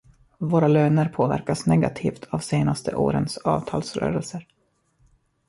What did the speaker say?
Våra löner påverkas negativt av senaste årens avtalsrörelser.